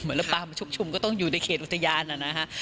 ปลามันชุกชุมก็ต้องอยู่ในเขตอุทยานนะฮะ